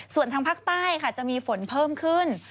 ส่วนทางภาคใต้ค่ะจะมีฝนเพิ่มขึ้น